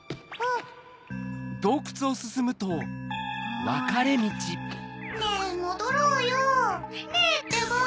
ん！ねぇもどろうよねぇってば！